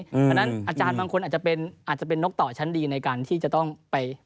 เพราะฉะนั้นอาจารย์บางคนอาจจะเป็นนกต่อชั้นดีในการที่จะต้องไป